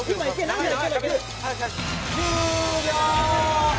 終了！